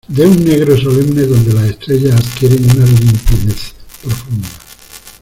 de un negro solemne donde las estrellas adquieren una limpidez profunda.